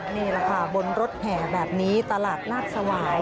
นี่แหละค่ะบนรถแห่แบบนี้ตลาดนัดสวาย